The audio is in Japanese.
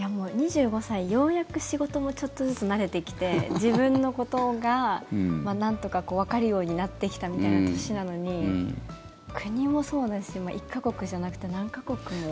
２５歳、ようやく仕事もちょっとずつ慣れてきて自分のことがなんとかわかるようになってきたみたいな年なのに国もそうだし１か国じゃなくて何か国も。